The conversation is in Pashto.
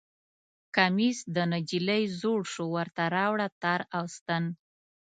کمیس د نجلۍ زوړ شو ورته راوړه تار او ستن